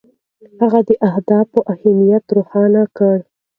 هغه د اهدافو اهمیت روښانه کړ.